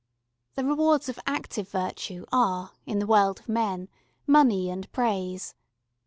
The rewards of active virtue are, in the world of men, money and praise.